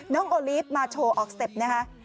โอลีฟมาโชว์ออกสเต็ปนะคะ